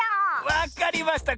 わかりました。